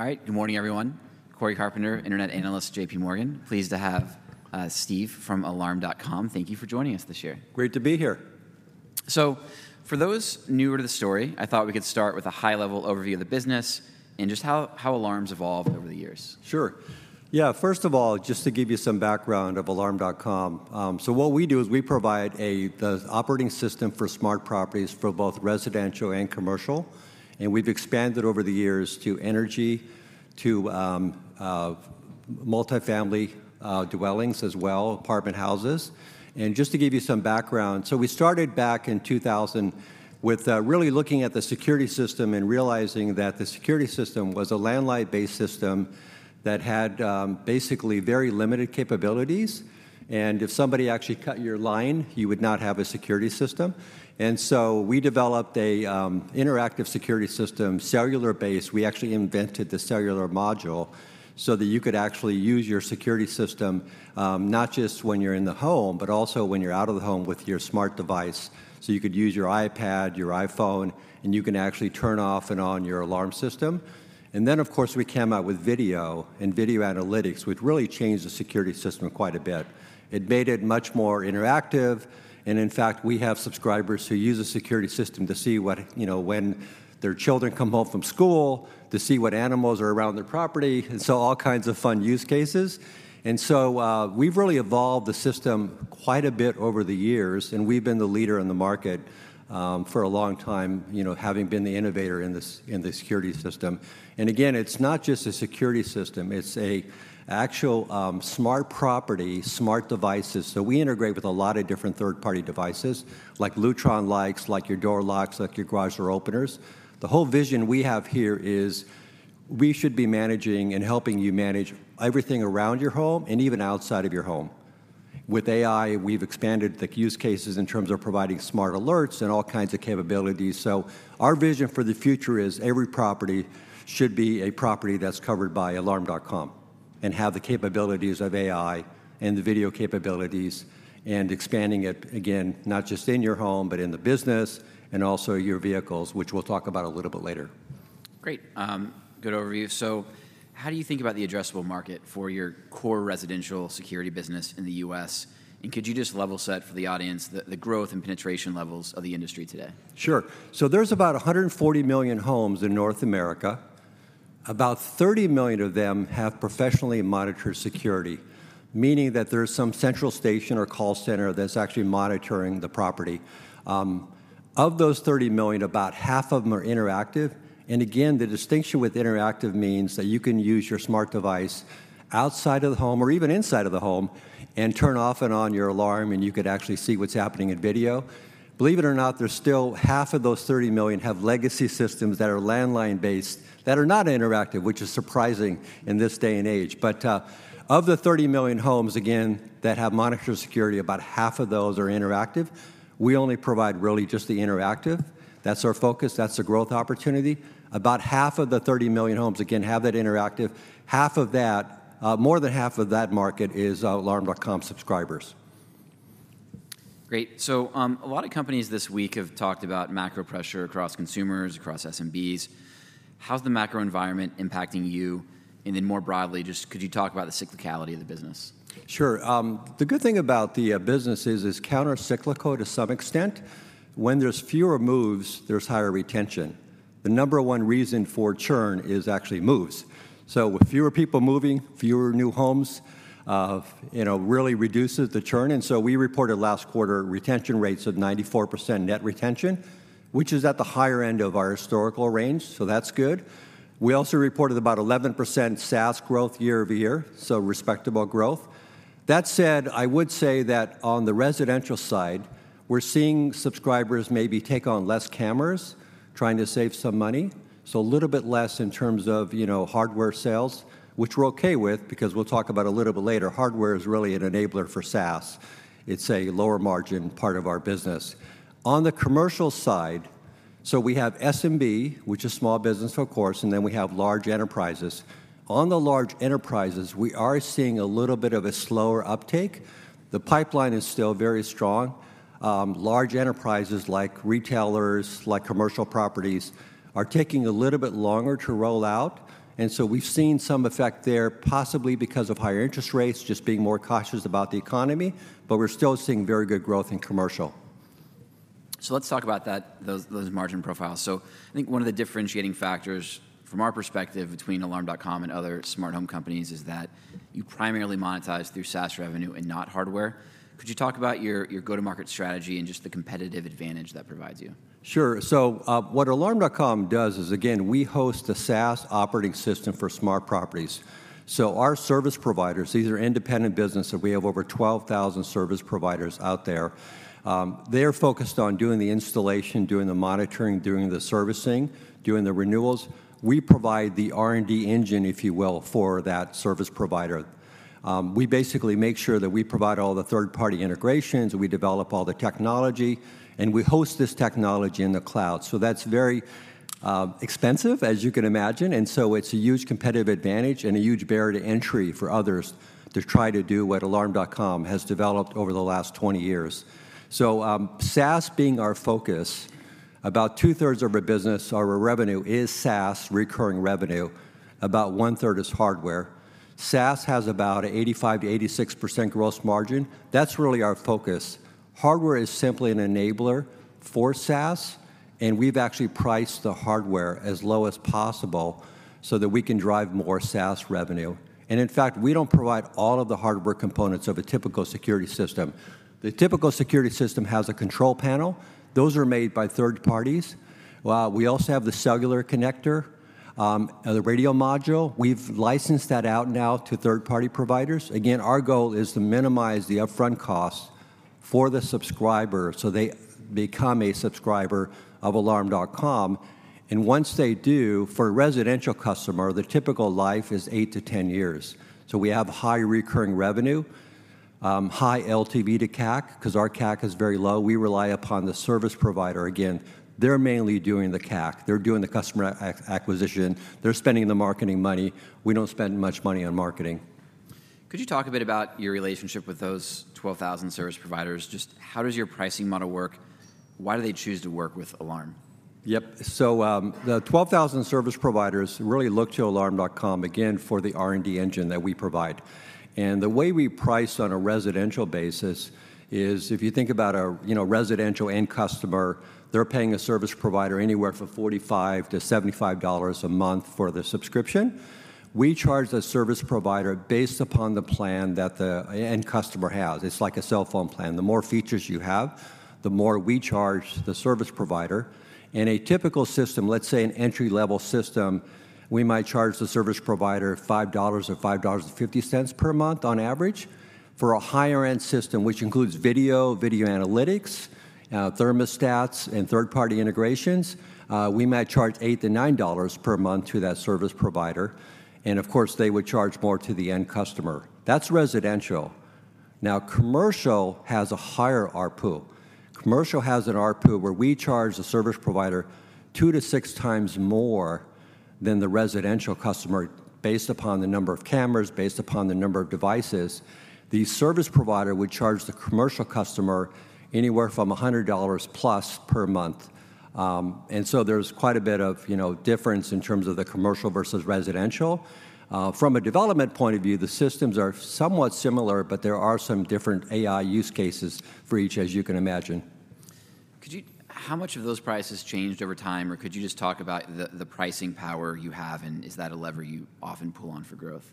All right. Good morning, everyone. Corey Carpenter, internet analyst, JPMorgan. Pleased to have, Steve from Alarm.com. Thank you for joining us this year. Great to be here. So for those newer to the story, I thought we could start with a high-level overview of the business and just how Alarm.com evolved over the years. Sure. Yeah, first of all, just to give you some background of Alarm.com, so what we do is we provide the operating system for smart properties for both residential and commercial, and we've expanded over the years to energy, to multifamily dwellings as well, apartment houses. And just to give you some background, so we started back in 2000 with really looking at the security system and realizing that the security system was a landline-based system that had basically very limited capabilities, and if somebody actually cut your line, you would not have a security system. And so we developed interactive security system, cellular-based. We actually invented the cellular module so that you could actually use your security system, not just when you're in the home, but also when you're out of the home with your smart device. So you could use your iPad, your iPhone, and you can actually turn off and on your alarm system. And then, of course, we came out with video and video analytics, which really changed the security system quite a bit. It made it much more interactive, and in fact, we have subscribers who use the security system to see what. You know, when their children come home from school, to see what animals are around their property, and so all kinds of fun use cases. And so, we've really evolved the system quite a bit over the years, and we've been the leader in the market, for a long time, you know, having been the innovator in this, in the security system. And again, it's not just a security system, it's a actual, smart property, smart devices. So we integrate with a lot of different third-party devices, like Lutron lights, like your door locks, like your garage door openers. The whole vision we have here is we should be managing and helping you manage everything around your home and even outside of your home. With AI, we've expanded the use cases in terms of providing smart alerts and all kinds of capabilities. So our vision for the future is every property should be a property that's covered by Alarm.com and have the capabilities of AI and the video capabilities, and expanding it, again, not just in your home, but in the business and also your vehicles, which we'll talk about a little bit later. Great. Good overview. So how do you think about the addressable market for your core residential security business in the U.S.? And could you just level set for the audience the growth and penetration levels of the industry today? Sure. So there's about 140 million homes in North America. About 30 million of them have professionally monitored security, meaning that there's some central station or call center that's actually monitoring the property. Of those 30 million, about half of them are interactive, and again, the distinction with interactive means that you can use your smart device outside of the home or even inside of the home and turn off and on your alarm, and you could actually see what's happening in video. Believe it or not, there's still half of those 30 million have legacy systems that are landline-based, that are not interactive, which is surprising in this day and age. But, of the 30 million homes, again, that have monitored security, about half of those are interactive. We only provide really just the interactive. That's our focus. That's the growth opportunity. About half of the 30 million homes, again, have that interactive. Half of that, more than half of that market is Alarm.com subscribers. Great. So, a lot of companies this week have talked about macro pressure across consumers, across SMBs. How's the macro environment impacting you? And then more broadly, just could you talk about the cyclicality of the business? Sure. The good thing about the business is it's countercyclical to some extent. When there's fewer moves, there's higher retention. The number one reason for churn is actually moves. So with fewer people moving, fewer new homes, you know, really reduces the churn, and so we reported last quarter retention rates of 94% net retention, which is at the higher end of our historical range, so that's good. We also reported about 11% SaaS growth year-over-year, so respectable growth. That said, I would say that on the residential side, we're seeing subscribers maybe take on less cameras, trying to save some money, so a little bit less in terms of, you know, hardware sales, which we're okay with, because we'll talk about a little bit later, hardware is really an enabler for SaaS. It's a lower margin part of our business. On the commercial side, so we have SMB, which is small business, of course, and then we have large enterprises. On the large enterprises, we are seeing a little bit of a slower uptake. The pipeline is still very strong. Large enterprises like retailers, like commercial properties, are taking a little bit longer to roll out, and so we've seen some effect there, possibly because of higher interest rates, just being more cautious about the economy, but we're still seeing very good growth in commercial. So let's talk about that, those margin profiles. So I think one of the differentiating factors from our perspective between Alarm.com and other smart home companies is that you primarily monetize through SaaS revenue and not hardware. Could you talk about your go-to-market strategy and just the competitive advantage that provides you? Sure. So, what Alarm.com does is, again, we host a SaaS operating system for smart properties. So our service providers, these are independent business, so we have over 12,000 service providers out there. They're focused on doing the installation, doing the monitoring, doing the servicing, doing the renewals. We provide the R&D engine, if you will, for that service provider. We basically make sure that we provide all the third-party integrations, we develop all the technology, and we host this technology in the cloud. So that's very expensive, as you can imagine, and so it's a huge competitive advantage and a huge barrier to entry for others to try to do what Alarm.com has developed over the last 20 years. So, SaaS being our focus, about two-thirds of our business, our revenue is SaaS recurring revenue, about one-third is hardware. SaaS has about 85%-86% gross margin. That's really our focus. Hardware is simply an enabler for SaaS, and we've actually priced the hardware as low as possible so that we can drive more SaaS revenue. And in fact, we don't provide all of the hardware components of a typical security system. The typical security system has a control panel. Those are made by third parties. We also have the cellular connector, and the radio module. We've licensed that out now to third-party providers. Again, our goal is to minimize the upfront cost for the subscriber, so they become a subscriber of Alarm.com, and once they do, for a residential customer, the typical life is eight to 10 years. So we have high recurring revenue, high LTV to CAC, 'cause our CAC is very low. We rely upon the service provider. Again, they're mainly doing the CAC. They're doing the customer acquisition. They're spending the marketing money. We don't spend much money on marketing. Could you talk a bit about your relationship with those 12,000 service providers? Just how does your pricing model work? Why do they choose to work with Alarm? Yep. So, the 12,000 service providers really look to Alarm.com, again, for the R&D engine that we provide. And the way we price on a residential basis is, if you think about a, you know, residential end customer, they're paying a service provider anywhere from $45-$75 a month for the subscription. We charge the service provider based upon the plan that the end customer has. It's like a cell phone plan. The more features you have, the more we charge the service provider. In a typical system, let's say an entry-level system, we might charge the service provider $5 or $5.50 per month on average. For a higher-end system, which includes video, video analytics, thermostats, and third-party integrations, we might charge $8-$9 per month to that service provider, and of course, they would charge more to the end customer. That's residential. Now, commercial has a higher ARPU. Commercial has an ARPU where we charge the service provider two to six times more than the residential customer, based upon the number of cameras, based upon the number of devices. The service provider would charge the commercial customer anywhere from $100+ per month. And so there's quite a bit of, you know, difference in terms of the commercial versus residential. From a development point of view, the systems are somewhat similar, but there are some different AI use cases for each, as you can imagine. How much have those prices changed over time, or could you just talk about the pricing power you have, and is that a lever you often pull on for growth?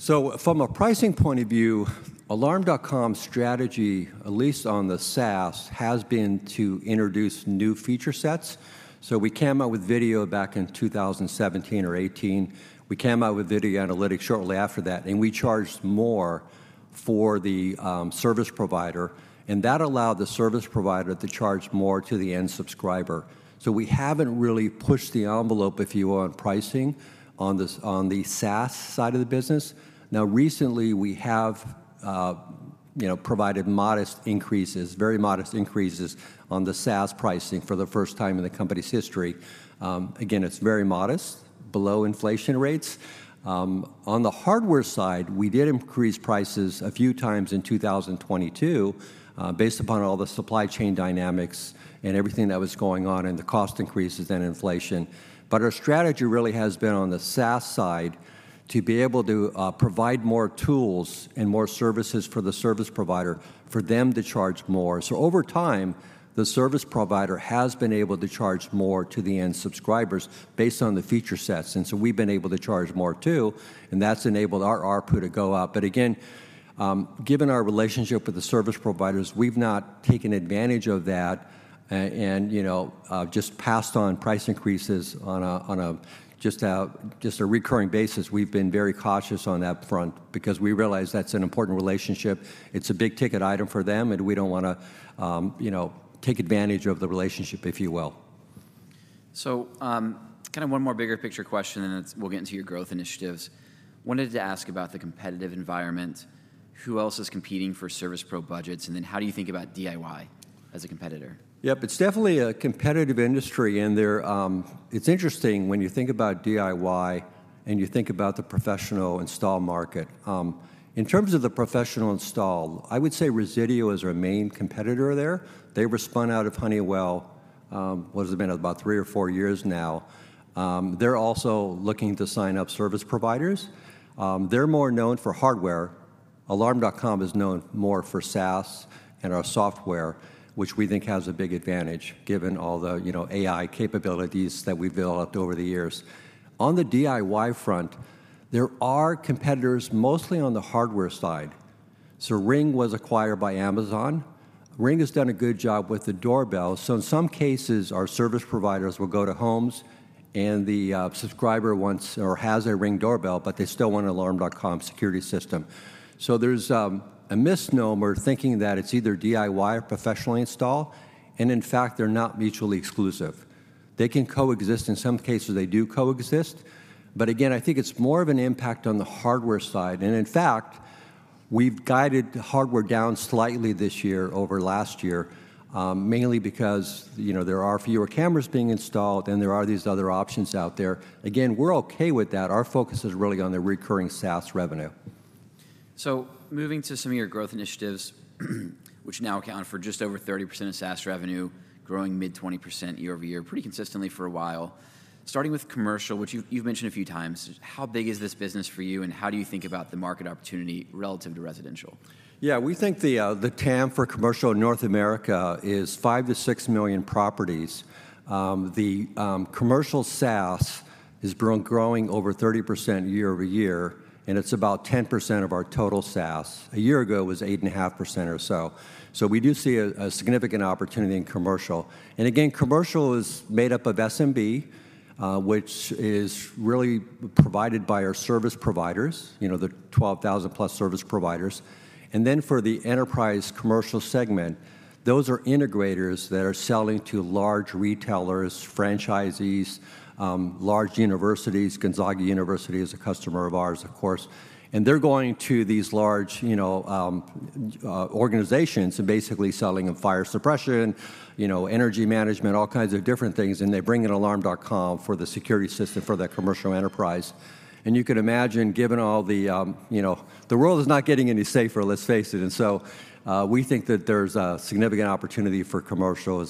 So from a pricing point of view, Alarm.com's strategy, at least on the SaaS, has been to introduce new feature sets. So we came out with video back in 2017 or 2018. We came out with video analytics shortly after that, and we charged more for the service provider, and that allowed the service provider to charge more to the end subscriber. So we haven't really pushed the envelope, if you will, on pricing on the SaaS side of the business. Now, recently, we have, you know, provided modest increases, very modest increases on the SaaS pricing for the first time in the company's history. Again, it's very modest, below inflation rates. On the hardware side, we did increase prices a few times in 2022, based upon all the supply chain dynamics and everything that was going on and the cost increases and inflation. But our strategy really has been on the SaaS side, to be able to, provide more tools and more services for the service provider, for them to charge more. So over time, the service provider has been able to charge more to the end subscribers based on the feature sets, and so we've been able to charge more, too, and that's enabled our ARPU to go up. But again, given our relationship with the service providers, we've not taken advantage of that and, you know, just passed on price increases on a recurring basis. We've been very cautious on that front because we realize that's an important relationship. It's a big-ticket item for them, and we don't wanna, you know, take advantage of the relationship, if you will. Kind of one more bigger picture question, and then we'll get into your growth initiatives. Wanted to ask about the competitive environment. Who else is competing for service pro budgets, and then how do you think about DIY as a competitor? Yep, it's definitely a competitive industry, and it's interesting when you think about DIY and you think about the professional install market. In terms of the professional install, I would say Resideo is our main competitor there. They were spun out of Honeywell, what has it been, about three or four years now. They're also looking to sign up service providers. They're more known for hardware. Alarm.com is known more for SaaS and our software, which we think has a big advantage, given all the, you know, AI capabilities that we've built up over the years. On the DIY front, there are competitors, mostly on the hardware side. So Ring was acquired by Amazon. Ring has done a good job with the doorbell. So in some cases, our service providers will go to homes, and the subscriber wants or has a Ring doorbell, but they still want an Alarm.com security system. So there's a misnomer thinking that it's either DIY or professionally installed, and in fact, they're not mutually exclusive. They can coexist. In some cases, they do coexist. But again, I think it's more of an impact on the hardware side, and in fact, we've guided hardware down slightly this year over last year, mainly because, you know, there are fewer cameras being installed, and there are these other options out there. Again, we're okay with that. Our focus is really on the recurring SaaS revenue. So moving to some of your growth initiatives, which now account for just over 30% of SaaS revenue, growing mid-20% year-over-year, pretty consistently for a while. Starting with commercial, which you've, you've mentioned a few times, how big is this business for you, and how do you think about the market opportunity relative to residential? Yeah, we think the TAM for commercial in North America is 5-6 million properties. The commercial SaaS is growing over 30% year-over-year, and it's about 10% of our total SaaS. A year ago, it was 8.5% or so. So we do see a significant opportunity in commercial. And again, commercial is made up of SMB, which is really provided by our service providers, you know, the 12,000+ service providers. And then for the enterprise commercial segment, those are integrators that are selling to large retailers, franchisees, large universities. Gonzaga University is a customer of ours, of course. They're going to these large, you know, organizations and basically selling them fire suppression, you know, energy management, all kinds of different things, and they bring in Alarm.com for the security system for that commercial enterprise. And you can imagine, given all the, you know, the world is not getting any safer, let's face it. And so, we think that there's a significant opportunity for commercial,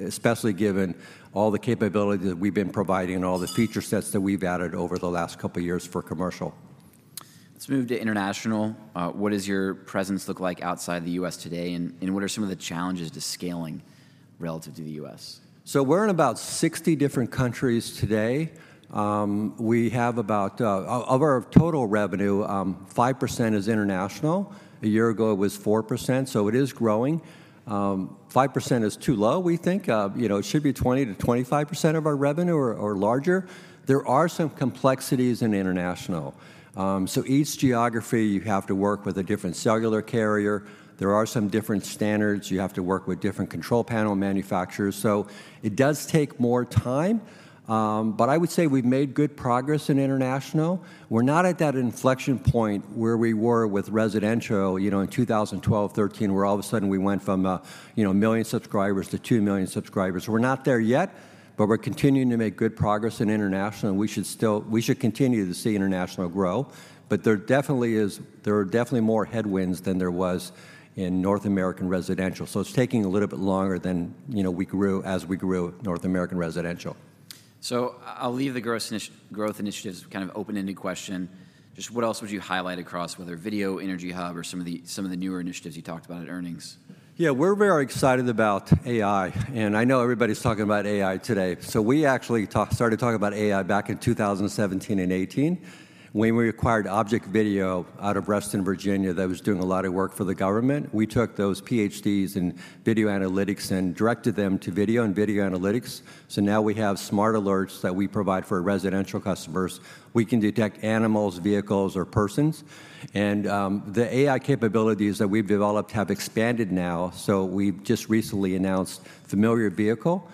especially given all the capabilities that we've been providing and all the feature sets that we've added over the last couple of years for commercial. Let's move to international. What does your presence look like outside the U.S. today, and, and what are some of the challenges to scaling relative to the U.S.? So we're in about 60 different countries today. Of our total revenue, 5% is international. A year ago, it was 4%, so it is growing. 5% is too low, we think. You know, it should be 20%-25% of our revenue or, or larger. There are some complexities in international. So each geography, you have to work with a different cellular carrier. There are some different standards. You have to work with different control panel manufacturers, so it does take more time. But I would say we've made good progress in international. We're not at that inflection point where we were with residential, you know, in 2012, 2013, where all of a sudden we went from, you know, 1 million subscribers to 2 million subscribers. We're not there yet, but we're continuing to make good progress in international, and we should still continue to see international grow. But there definitely are more headwinds than there was in North American residential. So it's taking a little bit longer than, you know, we grew, as we grew North American residential. So I'll leave the growth initiatives kind of open-ended question. Just what else would you highlight across, whether video, EnergyHub, or some of the newer initiatives you talked about at earnings? Yeah, we're very excited about AI, and I know everybody's talking about AI today. So we actually started talking about AI back in 2017 and 2018, when we acquired ObjectVideo out of Reston, Virginia, that was doing a lot of work for the government. We took those PhDs in video analytics and directed them to video and video analytics. So now we have smart alerts that we provide for residential customers. We can detect animals, vehicles, or persons, and the AI capabilities that we've developed have expanded now. So we've just recently announced Familiar Vehicle.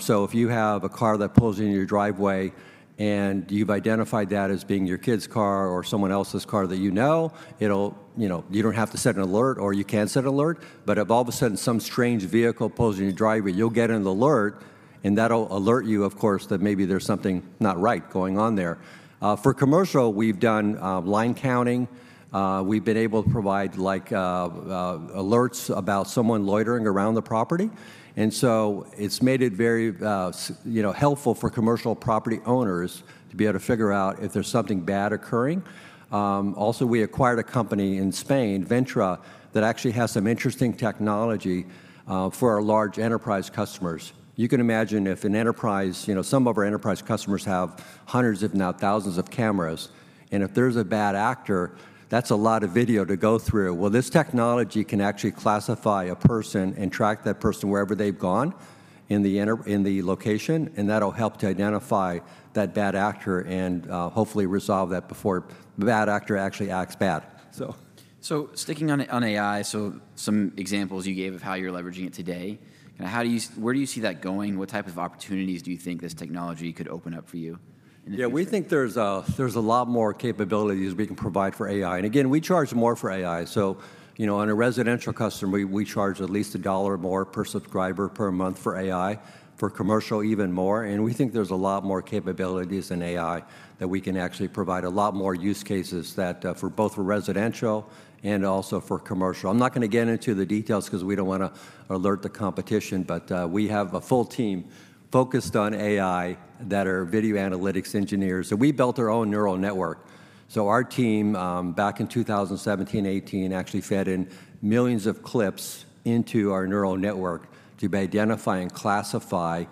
So if you have a car that pulls into your driveway and you've identified that as being your kid's car or someone else's car that you know, it'll, you know, you don't have to set an alert, or you can set an alert. But if all of a sudden, some strange vehicle pulls in your driveway, you'll get an alert, and that'll alert you, of course, that maybe there's something not right going on there. For commercial, we've done line counting. We've been able to provide, like, alerts about someone loitering around the property. And so it's made it very, you know, helpful for commercial property owners to be able to figure out if there's something bad occurring. Also, we acquired a company in Spain, Vintra, that actually has some interesting technology for our large enterprise customers. You can imagine if an enterprise. You know, some of our enterprise customers have hundreds, if not thousands, of cameras, and if there's a bad actor, that's a lot of video to go through. Well, this technology can actually classify a person and track that person wherever they've gone in the location, and that'll help to identify that bad actor and hopefully resolve that before the bad actor actually acts bad, so. So sticking on AI, so some examples you gave of how you're leveraging it today, and how do you - where do you see that going? What type of opportunities do you think this technology could open up for you in the future? Yeah, we think there's a lot more capabilities we can provide for AI. And again, we charge more for AI. So, you know, on a residential customer, we charge at least $1 more per subscriber per month for AI, for commercial, even more, and we think there's a lot more capabilities in AI that we can actually provide a lot more use cases that for both for residential and also for commercial. I'm not gonna get into the details 'cause we don't wanna alert the competition, but we have a full team focused on AI that are video analytics engineers. So we built our own neural network. So our team, back in 2017, 2018, actually fed in millions of clips into our neural network to be able to identify and classify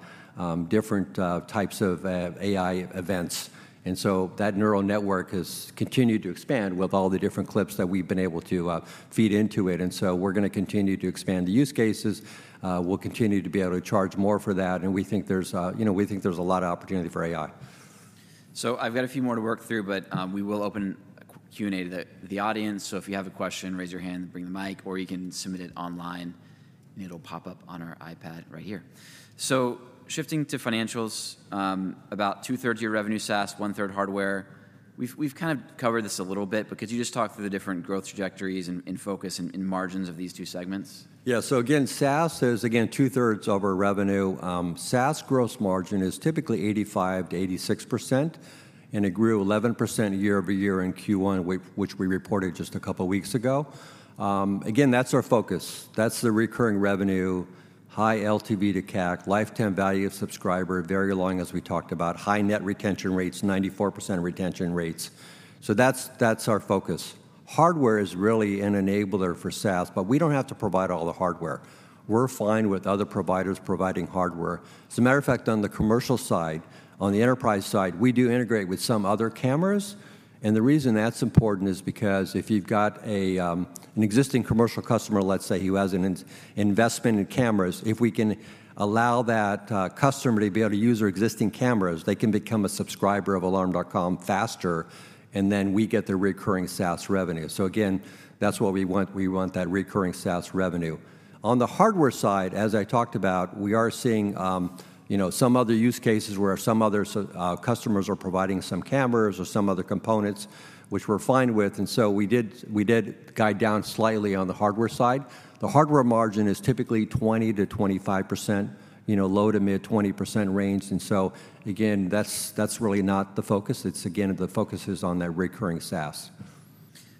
different types of AI events. And so that neural network has continued to expand with all the different clips that we've been able to feed into it. And so we're gonna continue to expand the use cases. We'll continue to be able to charge more for that, and we think there's, you know, we think there's a lot of opportunity for AI. So I've got a few more to work through, but we will open Q&A to the audience. So if you have a question, raise your hand, bring the mic, or you can submit it online, and it'll pop up on our iPad right here. So shifting to financials, about two-thirds of your revenue, SaaS, one-third, hardware. We've kind of covered this a little bit, but could you just talk through the different growth trajectories and focus and margins of these two segments? Yeah. So again, SaaS is, again, two-thirds of our revenue. SaaS gross margin is typically 85%-86%, and it grew 11% year-over-year in Q1, which we reported just a couple of weeks ago. Again, that's our focus. That's the recurring revenue, high LTV to CAC, lifetime value of subscriber, very long, as we talked about, high net retention rates, 94% retention rates. So that's, that's our focus. Hardware is really an enabler for SaaS, but we don't have to provide all the hardware. We're fine with other providers providing hardware. As a matter of fact, on the commercial side, on the enterprise side, we do integrate with some other cameras, and the reason that's important is because if you've got an existing commercial customer, let's say, who has an investment in cameras, if we can allow that customer to be able to use their existing cameras, they can become a subscriber of Alarm.com faster, and then we get the recurring SaaS revenue. So again, that's what we want. We want that recurring SaaS revenue. On the hardware side, as I talked about, we are seeing, you know, some other use cases where some other customers are providing some cameras or some other components, which we're fine with, and so we did, we did guide down slightly on the hardware side. The hardware margin is typically 20%-25%, you know, low to mid-20% range, and so again, that's really not the focus. It's again, the focus is on that recurring SaaS.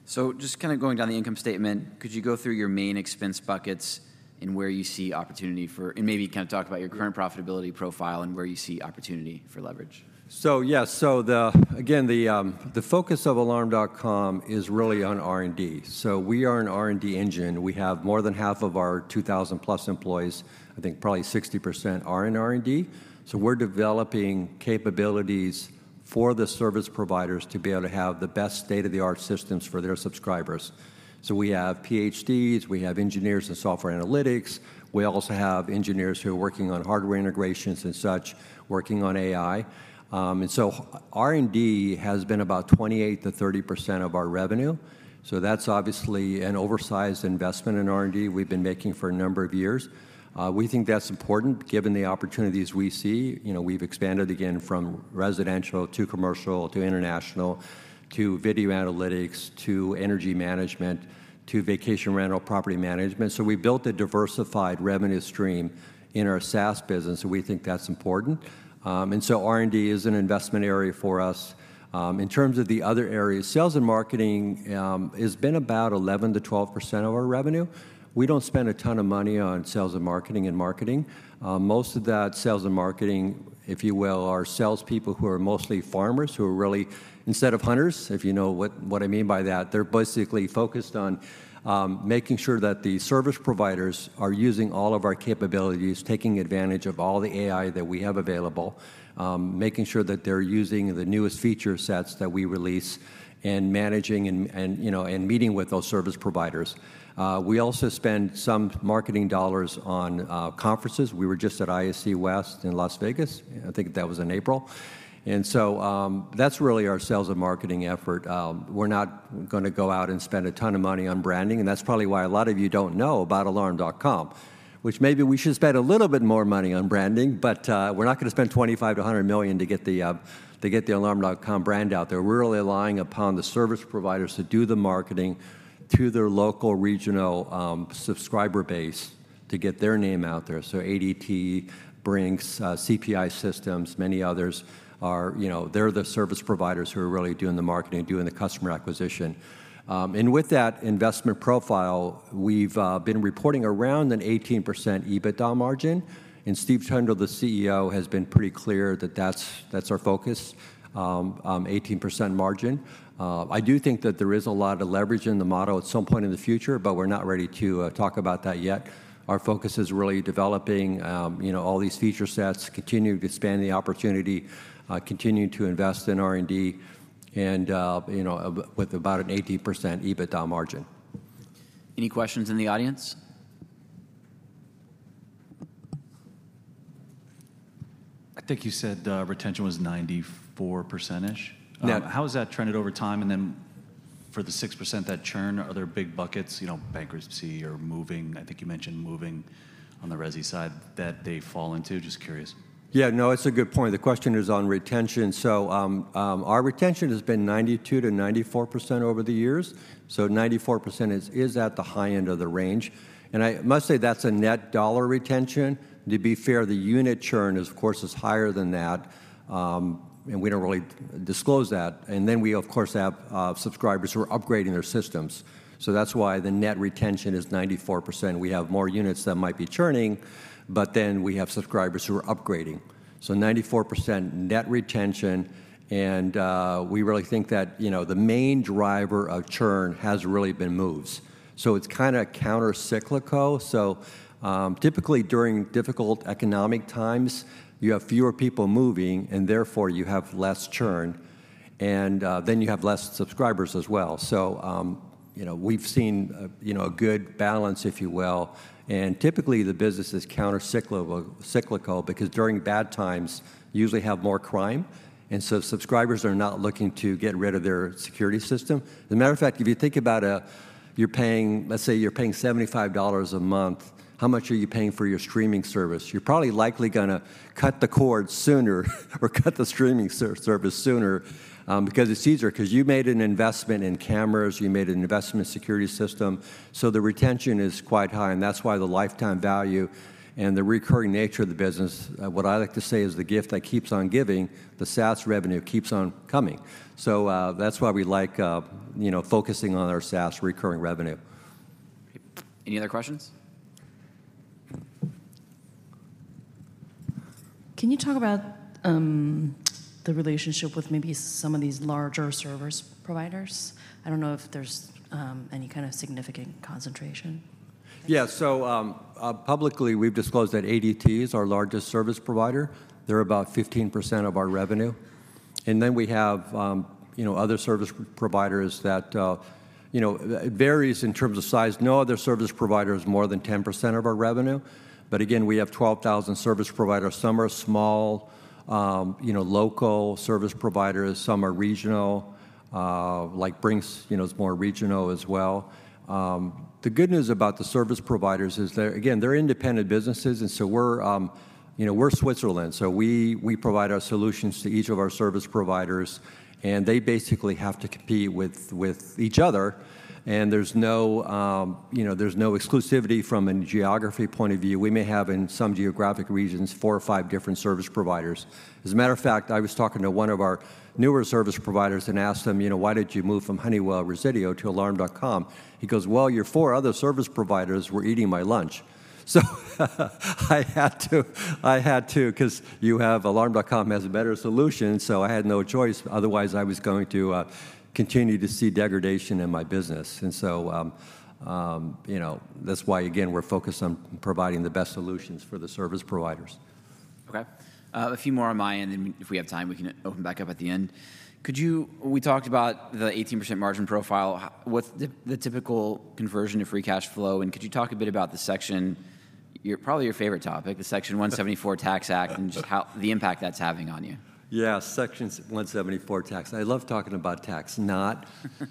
So just kinda going down the income statement, could you go through your main expense buckets and where you see opportunity for... And maybe kind of talk about your current profitability profile and where you see opportunity for leverage? So, yeah. So the, again, the focus of Alarm.com is really on R&D. So we are an R&D engine. We have more than half of our 2,000+ employees, I think probably 60% are in R&D. So we're developing capabilities for the service providers to be able to have the best state-of-the-art systems for their subscribers. So we have PhDs, we have engineers in software analytics, we also have engineers who are working on hardware integrations and such, working on AI. And so R&D has been about 28%-30% of our revenue, so that's obviously an oversized investment in R&D we've been making for a number of years. We think that's important, given the opportunities we see. You know, we've expanded again from residential to commercial to international to video analytics to energy management to vacation rental property management. So we built a diversified revenue stream in our SaaS business, and we think that's important. And so R&D is an investment area for us. In terms of the other areas, sales and marketing has been about 11%-12% of our revenue. We don't spend a ton of money on sales and marketing and marketing. Most of that sales and marketing, if you will, are salespeople who are mostly farmers, who are really, instead of hunters, if you know what I mean by that. They're basically focused on making sure that the service providers are using all of our capabilities, taking advantage of all the AI that we have available, making sure that they're using the newest feature sets that we release, and managing and you know, and meeting with those service providers. We also spend some marketing dollars on conferences. We were just at ISC West in Las Vegas. I think that was in April. That's really our sales and marketing effort. We're not gonna go out and spend a ton of money on branding, and that's probably why a lot of you don't know about Alarm.com, which maybe we should spend a little bit more money on branding, but we're not gonna spend $25 million-$100 million to get the Alarm.com brand out there. We're really relying upon the service providers to do the marketing through their local, regional subscriber base to get their name out there. So ADT, Brinks, CPI Security, many others are, you know, they're the service providers who are really doing the marketing, doing the customer acquisition. And with that investment profile, we've been reporting around an 18% EBITDA margin, and Steve Trundle, the CEO, has been pretty clear that that's, that's our focus, 18% margin. I do think that there is a lot of leverage in the model at some point in the future, but we're not ready to talk about that yet. Our focus is really developing, you know, all these feature sets, continuing to expand the opportunity, continuing to invest in R&D, and, you know, with about an 18% EBITDA margin. Any questions in the audience? I think you said, retention was 94%-ish. Yeah. How has that trended over time? For the 6% that churn, are there big buckets, you know, bankruptcy or moving? I think you mentioned moving on the resi side, that they fall into. Just curious. Yeah, no, it's a good point. The question is on retention. So, our retention has been 92%-94% over the years, so 94% is at the high end of the range. And I must say, that's a net dollar retention. To be fair, the unit churn is, of course, higher than that, and we don't really disclose that. And then we, of course, have subscribers who are upgrading their systems, so that's why the net retention is 94%. We have more units that might be churning, but then we have subscribers who are upgrading. So 94% net retention, and we really think that, you know, the main driver of churn has really been moves. So it's kinda countercyclical. So, typically, during difficult economic times, you have fewer people moving, and therefore, you have less churn. And, then you have less subscribers as well. So, you know, we've seen, you know, a good balance, if you will, and typically the business is countercyclical, cyclical, because during bad times, you usually have more crime, and so subscribers are not looking to get rid of their security system. As a matter of fact, if you think about, you're paying, let's say you're paying $75 a month, how much are you paying for your streaming service? You're probably likely gonna cut the cord sooner, or cut the streaming service sooner, because it's easier. 'Cause you made an investment in cameras, you made an investment in security system, so the retention is quite high, and that's why the lifetime value and the recurring nature of the business, what I like to say, is the gift that keeps on giving, the SaaS revenue keeps on coming. So, that's why we like, you know, focusing on our SaaS recurring revenue. Any other questions? Can you talk about, the relationship with maybe some of these larger service providers? I don't know if there's, any kind of significant concentration. Yeah. So, publicly, we've disclosed that ADT is our largest service provider. They're about 15% of our revenue. And then we have, you know, other service providers that, you know, it varies in terms of size. No other service provider is more than 10% of our revenue, but again, we have 12,000 service providers. Some are small, you know, local service providers, some are regional, like Brinks, you know, is more regional as well. The good news about the service providers is they're, again, they're independent businesses, and so we're, you know, we're Switzerland, so we, we provide our solutions to each of our service providers, and they basically have to compete with, with each other, and there's no, you know, there's no exclusivity from a geography point of view. We may have, in some geographic regions, four or five different service providers. As a matter of fact, I was talking to one of our newer service providers and asked them, "You know, why did you move from Honeywell Resideo to Alarm.com?" He goes, "Well, your four other service providers were eating my lunch. So I had to, I had to, 'cause you have Alarm.com as a better solution, so I had no choice. Otherwise, I was going to continue to see degradation in my business." And so, you know, that's why, again, we're focused on providing the best solutions for the service providers. Okay. A few more on my end, and if we have time, we can open back up at the end. Could you... We talked about the 18% margin profile. What's the typical conversion to free cash flow, and could you talk a bit about the section, your probably your favorite topic—the Section 174 Tax Act, and just how the impact that's having on you? Yeah, Section 174 Tax. I love talking about tax, not.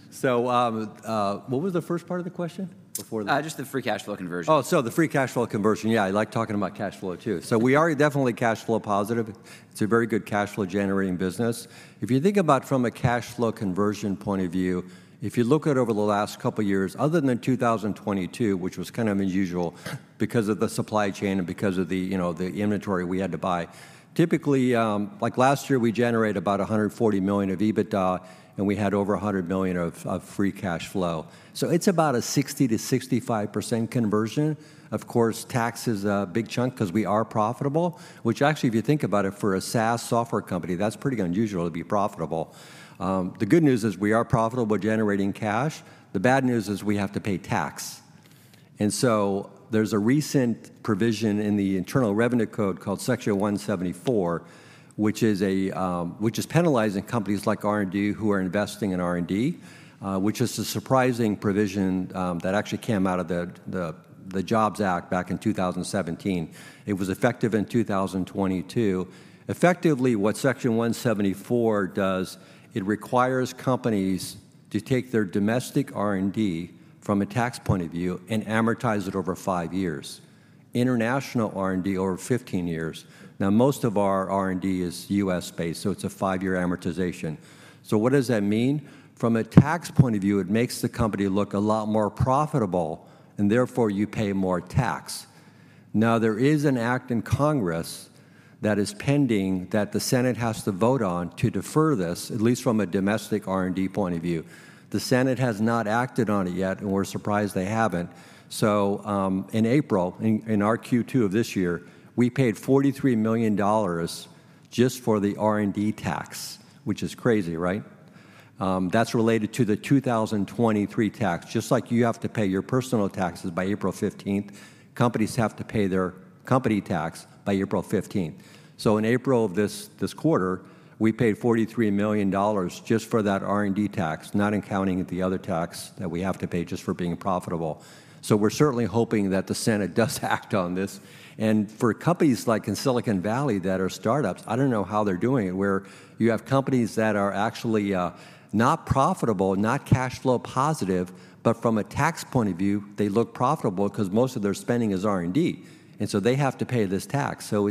So, what was the first part of the question before the- Just the free cash flow conversion. Oh, so the free cash flow conversion. Yeah, I like talking about cash flow, too. So we are definitely cash flow positive. It's a very good cash flow generating business. If you think about from a cash flow conversion point of view, if you look at over the last couple of years, other than 2022, which was kind of unusual because of the supply chain and because of the, you know, the inventory we had to buy, typically, like last year, we generated about $140 million of EBITDA, and we had over $100 million of free cash flow. So it's about a 60%-65% conversion. Of course, tax is a big chunk 'cause we are profitable, which actually, if you think about it, for a SaaS software company, that's pretty unusual to be profitable. The good news is we are profitable generating cash. The bad news is we have to pay tax. So there's a recent provision in the Internal Revenue Code called Section 174, which is penalizing companies like R&D who are investing in R&D, which is a surprising provision that actually came out of the Jobs Act back in 2017. It was effective in 2022. Effectively, what Section 174 does, it requires companies to take their domestic R&D from a tax point of view and amortize it over five years. International R&D, over 15 years. Now, most of our R&D is U.S.-based, so it's a five-year amortization. So what does that mean? From a tax point of view, it makes the company look a lot more profitable, and therefore, you pay more tax. Now, there is an act in Congress that is pending that the Senate has to vote on to defer this, at least from a domestic R&D point of view. The Senate has not acted on it yet, and we're surprised they haven't. So, in April, in our Q2 of this year, we paid $43 million just for the R&D tax, which is crazy, right? That's related to the 2023 tax. Just like you have to pay your personal taxes by April 15th, companies have to pay their company tax by April 15th. So in April of this quarter, we paid $43 million just for that R&D tax, not accounting the other tax that we have to pay just for being profitable. So we're certainly hoping that the Senate does act on this. For companies like in Silicon Valley that are startups, I don't know how they're doing it, where you have companies that are actually not profitable, not cash flow positive, but from a tax point of view, they look profitable 'cause most of their spending is R&D, and so they have to pay this tax. So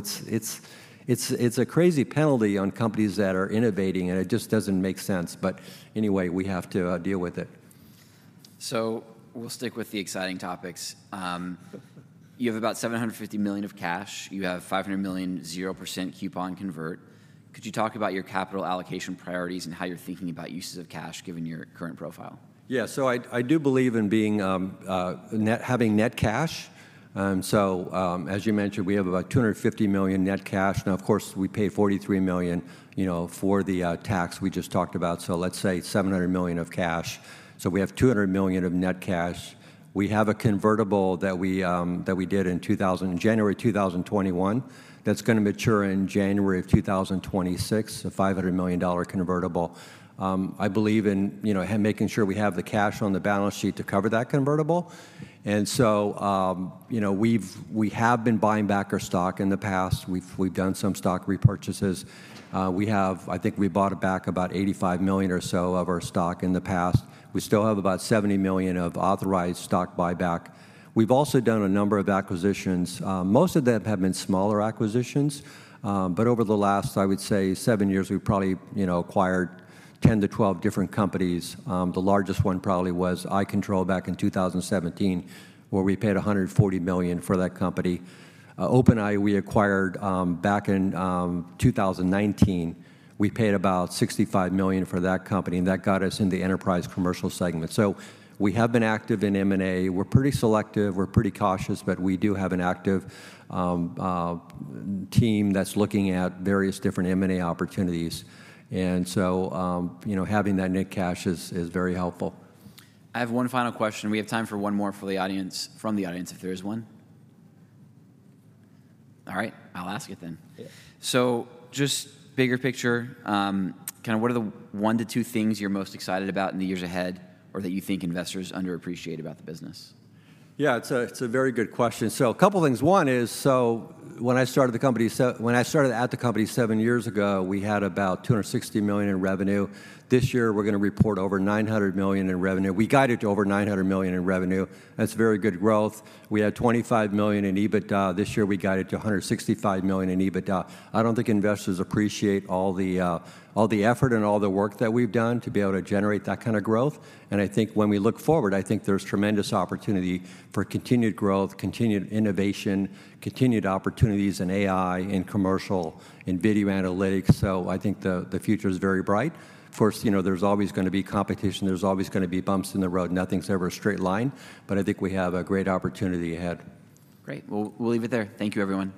it's a crazy penalty on companies that are innovating, and it just doesn't make sense, but anyway, we have to deal with it. So we'll stick with the exciting topics. You have about $750 million of cash. You have $500 million 0% coupon convertible. Could you talk about your capital allocation priorities and how you're thinking about uses of cash, given your current profile? Yeah. So I do believe in being net, having net cash. So, as you mentioned, we have about $250 million net cash. Now, of course, we pay $43 million, you know, for the tax we just talked about, so let's say $700 million of cash. So we have $200 million of net cash. We have a convertible that we that we did in January 2021, that's gonna mature in January 2026, a $500 million dollar convertible. I believe in, you know, making sure we have the cash on the balance sheet to cover that convertible. And so, you know, we have been buying back our stock in the past. We've, we've done some stock repurchases. We have-- I think we bought it back about $85 million or so of our stock in the past. We still have about $70 million of authorized stock buyback. We've also done a number of acquisitions. Most of them have been smaller acquisitions, but over the last, I would say, seven years, we've probably, you know, acquired ten to 12 different companies. The largest one probably was Icontrol back in 2017, where we paid $140 million for that company. OpenEye, we acquired back in 2019. We paid about $65 million for that company, and that got us in the enterprise commercial segment. So we have been active in M&A. We're pretty selective, we're pretty cautious, but we do have an active team that's looking at various different M&A opportunities. So, you know, having that net cash is very helpful. I have one final question. We have time for one more for the audience—from the audience, if there is one. All right, I'll ask it then. Yeah. Just bigger picture, kind of what are the one to two things you're most excited about in the years ahead or that you think investors underappreciate about the business? Yeah, it's a very good question. So a couple of things. One is, so when I started at the company seven years ago, we had about $260 million in revenue. This year, we're gonna report over $900 million in revenue. We guided to over $900 million in revenue. That's very good growth. We had $25 million in EBITDA. This year, we guided to $165 million in EBITDA. I don't think investors appreciate all the, all the effort and all the work that we've done to be able to generate that kind of growth, and I think when we look forward, I think there's tremendous opportunity for continued growth, continued innovation, continued opportunities in AI, in commercial, in video analytics. So I think the future is very bright. Of course, you know, there's always gonna be competition, there's always gonna be bumps in the road. Nothing's ever a straight line, but I think we have a great opportunity ahead. Great. We'll, we'll leave it there. Thank you, everyone.